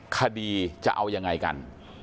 คดีจะเอายังไงกัน